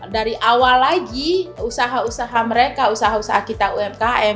dari awal lagi usaha usaha mereka usaha usaha kita umkm